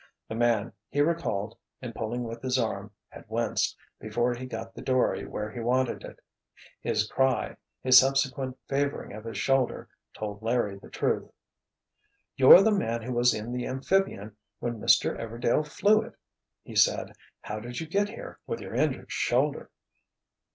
The man, he recalled, in pulling with his arm, had winced, before he got the dory where he wanted it. His cry, his subsequent favoring of his shoulder, told Larry the truth. "You're the man who was in the amphibian when Mr. Everdail flew it!" he said. "How did you get here, with your injured shoulder?"